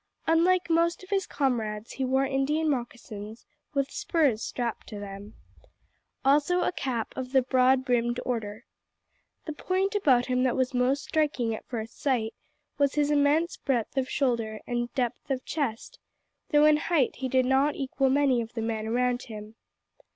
Unlike most of his comrades, he wore Indian moccasins, with spurs strapped to them. Also a cap of the broad brimmed order. The point about him that was most striking at first sight was his immense breadth of shoulder and depth of chest, though in height he did not equal many of the men around him.